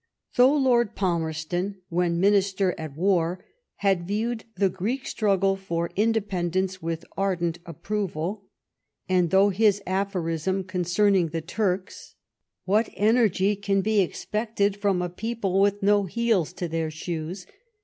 Though Lord Palmerston, when Minister at War, had viewed the Greek struggle for independence with ardent approval, and though his aphorism concerning the Turks —" What energy can be expected from a people with no heels to their shoes